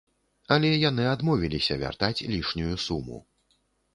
Але яны адмовіліся вяртаць лішнюю суму.